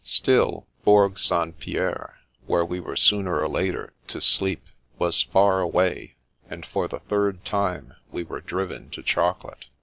Still Bourg St. Pierre, where we were sooner or later to sleep, was far away, and for the third time we were driven to chocolate.